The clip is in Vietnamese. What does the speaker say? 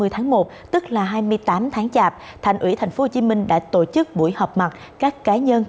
hai mươi tháng một tức là hai mươi tám tháng chạp thành ủy thành phố hồ chí minh đã tổ chức buổi họp mặt các cá nhân